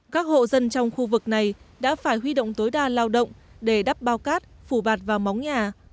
các hộ dân trong khu vực này đã phải huy động tối đa lao động để đắp bao cát phủ bạt vào móng nhà